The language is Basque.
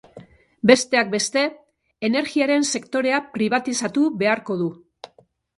Besteak beste, energiaren sektorea pribatizatu beharko du.